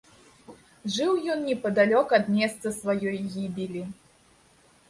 Жыў ён непадалёк ад месца сваёй гібелі.